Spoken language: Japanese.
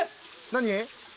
何？